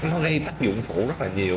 nó gây tác dụng phụ rất là nhiều